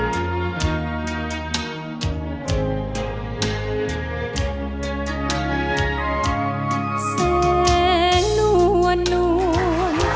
ดูเรื่องเวลายเส้นสุกใสนุ่มอ่อน